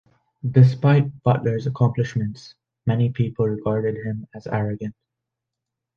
Despite Butler's accomplishments, many people regarded him as arrogant.